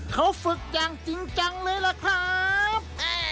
เขาฝึกอย่างจริงจังเลยล่ะครับ